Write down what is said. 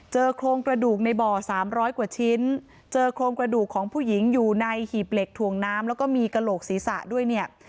โครงกระดูกในบ่อ๓๐๐กว่าชิ้นเจอโครงกระดูกของผู้หญิงอยู่ในหีบเหล็กถ่วงน้ำแล้วก็มีกระโหลกศีรษะด้วยเนี่ย